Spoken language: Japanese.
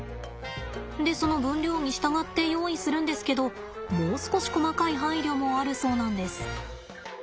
でその分量に従って用意するんですけどもう少し細かい配慮もあるそうなんです。